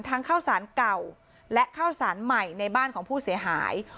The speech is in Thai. ข้าวสารเก่าและข้าวสารใหม่ในบ้านของผู้เสียหาย